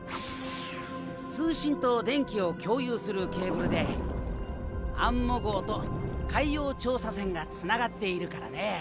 通信と電気を共有するケーブルでアンモ号と海洋調査船がつながっているからね。